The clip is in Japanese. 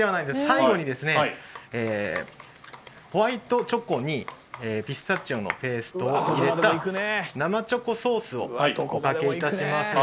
最後にですねホワイトチョコにピスタチオのペーストを入れた生チョコソースをおかけ致します。